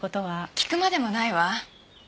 聞くまでもないわ。